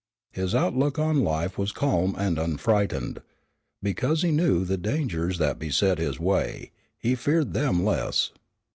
His outlook on life was calm and unfrightened. Because he knew the dangers that beset his way, he feared them less.